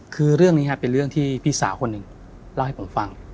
คือเรื่องนี้เป็นเรื่องที่พี่สาวคนหนึ่งเล่าให้ผมฟัง